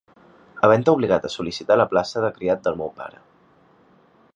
Havent-te obligat a sol·licitar la plaça de criat del meu pare.